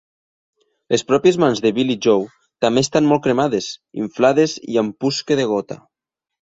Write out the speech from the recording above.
Les pròpies mans de Billie Jo també estan molt cremades, inflades i amb pus que degota.